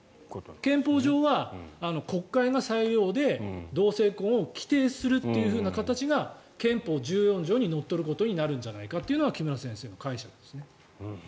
憲法上は国会の裁量で同性婚を規定するという形が憲法１４条にのっとる形になるんじゃないかというのが木村先生の解釈ですね。